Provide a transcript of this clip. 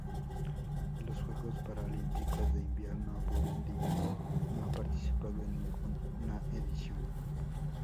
En los Juegos Paralímpicos de Invierno Burundi no ha participado en ninguna edición.